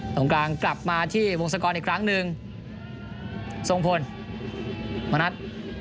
ตรงกลางกลับมาที่วงศกรอีกครั้งหนึ่งทรงพลมณัฐ